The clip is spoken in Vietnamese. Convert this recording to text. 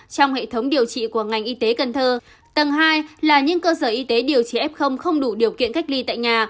trong hệ thống điều trị của ngành y tế cần thơ tầng hai là những cơ sở y tế điều trị f không đủ điều kiện cách ly tại nhà